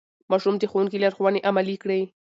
ماشوم د ښوونکي لارښوونې عملي کړې